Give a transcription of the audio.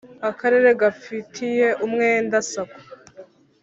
akarere gafitiye umwenda sacco